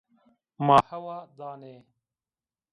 Ma hewa danê